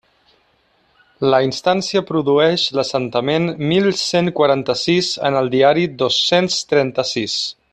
La instància produeix l'assentament mil cent quaranta-sis en el Diari dos-cents trenta-sis.